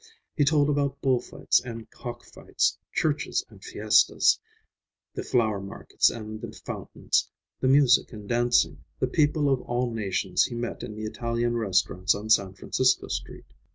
He told about bull fights and cock fights, churches and fiestas, the flower markets and the fountains, the music and dancing, the people of all nations he met in the Italian restaurants on San Francisco Street.